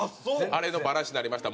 「あれのバラシになりました。